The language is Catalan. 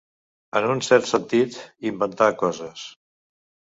En un cert sentit, inventar coses.